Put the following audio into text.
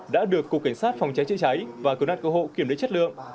đã được cục cảnh sát phòng cháy chữa cháy và cơ năng cơ hộ kiểm lấy chất lượng